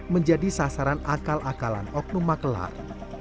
menjadi sasaran akal akalan oknum maklar